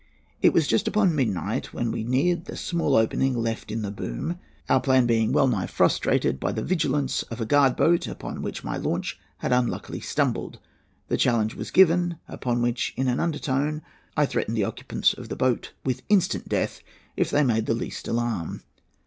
"It was just upon midnight when we neared the small opening left in the boom, our plan being well nigh frustrated by the vigilance of a guard boat upon which my launch had unluckily stumbled. The challenge was given, upon which, in an undertone, I threatened the occupants of the boat with instant death if they made the least alarm.